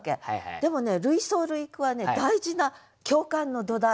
でもね類想類句はね大事な共感の土台。